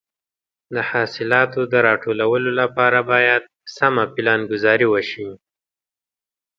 د حاصلاتو د راټولولو لپاره باید سمه پلانګذاري وشي.